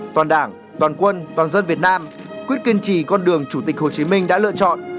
toàn đảng toàn quân toàn dân việt nam quyết kiên trì con đường chủ tịch hồ chí minh đã lựa chọn